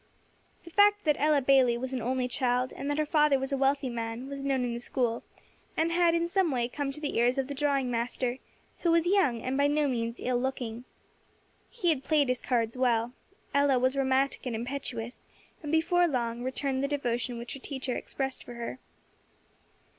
The fact that Ella Bayley was an only child, and that her father was a wealthy man, was known in the school, and had, in some way, come to the ears of the drawing master, who was young, and by no means ill looking. He had played his cards well. Ella was romantic and impetuous, and, before long, returned the devotion which her teacher expressed for her.